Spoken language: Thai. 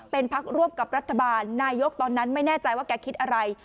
เป็นพักร่วมกับรัฐบาลนายกตอนนั้นไม่แน่ใจว่าแกคิดอะไร